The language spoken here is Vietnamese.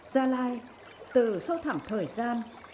gia lai từ sâu thẳng thời gian